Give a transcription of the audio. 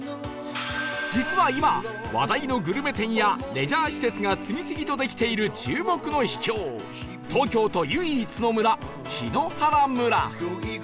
実は今話題のグルメ店やレジャー施設が次々とできている注目の秘境東京都唯一の村檜原村